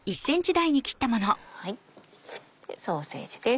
ソーセージです。